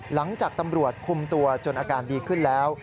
หลังจากตำรวจคุมตัวจนอาการดีขึ้นแล้ว